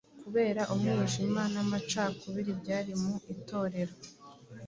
Kubera umwijima n’amacakubiri byari mu Itorero,